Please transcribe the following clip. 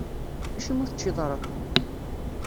Acimi ur teččiḍ ara?